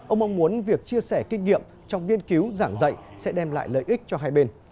ông mong muốn việc chia sẻ kinh nghiệm trong nghiên cứu giảng dạy sẽ đem lại lợi ích cho hai bên